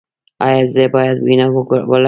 ایا زه باید وینه ولګوم؟